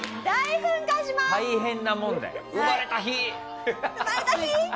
大変なもんだよ。